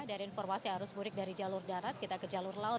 dari informasi arus mudik dari jalur darat kita ke jalur laut